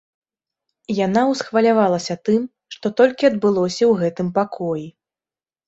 Яна ўсхвалявалася тым, што толькі адбылося ў гэтым пакоі.